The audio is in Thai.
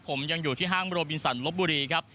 ผมยังอยู่ที่ห้างโรบินสันลบบุรีครับ